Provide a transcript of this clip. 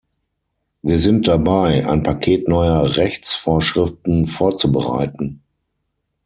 Wir sind dabei, ein Paket neuer Rechtsvorschriften vorzubereiten.